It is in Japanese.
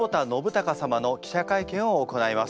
貴様の記者会見を行います。